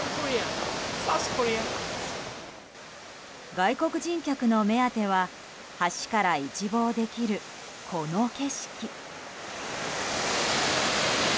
外国人客の目当ては橋から一望できるこの景色。